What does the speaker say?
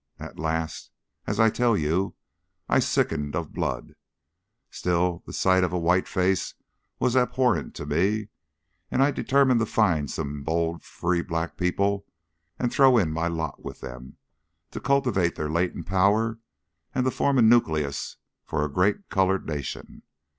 At last, as I tell you, I sickened of blood. Still, the sight of a white face was abhorrent to me, and I determined to find some bold free black people and to throw in my lot with them, to cultivate their latent powers, and to form a nucleus for a great coloured nation.